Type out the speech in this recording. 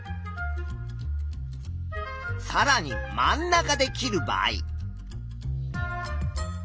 さらに真ん中で切る場合。